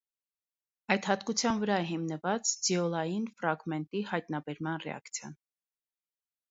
Այդ հատկության վրա է հիմնված դիոլային ֆրագմենտի հայտնաբերման ռեակցիան։